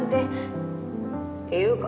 っていうか